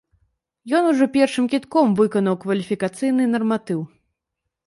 Ён ужо першым кідком выканаў кваліфікацыйны нарматыў.